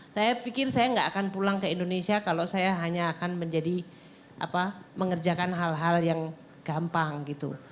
saya pikir saya nggak akan pulang ke indonesia kalau saya hanya akan menjadi mengerjakan hal hal yang gampang gitu